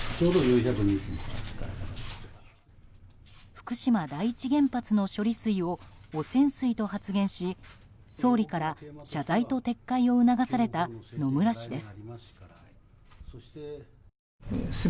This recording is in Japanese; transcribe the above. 福島第一原発の処理水を汚染水と発言し総理から謝罪と撤回を促された野村氏です。